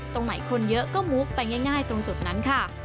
ตรงไหนคนเยอะก็มุกไปง่ายตรงจุดนั้นค่ะ